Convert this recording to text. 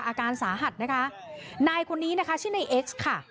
อาการสาหัสนะคะนายคนนี้นะคะชื่อนายเอ็กซ์ค่ะ